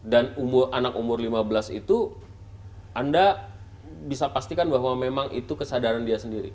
dan anak umur lima belas itu anda bisa pastikan bahwa memang itu kesadaran dia sendiri